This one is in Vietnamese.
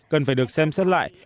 cần phải được xem xét lại